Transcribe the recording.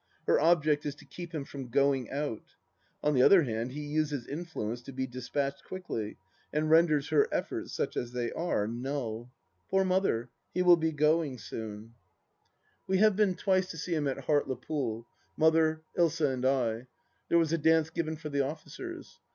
Her object is to keep him from " Going out," On the other hand, he uses influence to be dispatched quickly, and renders her efforts, such as they are, null. Poor Mother I He will be going soon. .., 270 THE LAST DITUH We have been twice to see him at Hart le Pool — Mother, Ilsa, and I. There was a dance given for the officers.